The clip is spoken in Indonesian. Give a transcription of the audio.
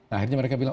akhirnya mereka bilang